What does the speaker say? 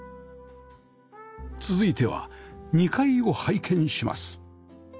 続いては２階を拝見します